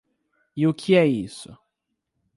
E o que é isso?